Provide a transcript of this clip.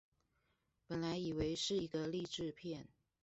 本來以為是一個勵志片